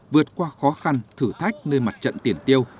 vượt qua khó khăn thử thách nơi mặt trận tiền tiêu